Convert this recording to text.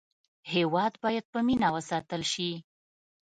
هېواد باید په مینه وساتل شي.